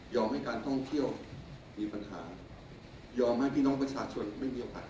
ให้การท่องเที่ยวมีปัญหายอมให้พี่น้องประชาชนไม่มีโอกาส